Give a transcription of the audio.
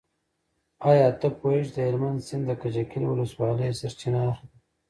ایا ته پوهېږې چې د هلمند سیند د کجکي له ولسوالۍ سرچینه اخلي؟